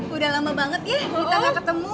udah lama banget ya kita gak ketemu